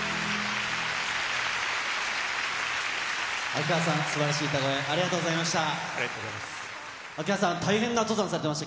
秋川さん、すばらしい歌声、ありがとうございます。